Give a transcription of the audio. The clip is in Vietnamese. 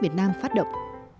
việt nam phát động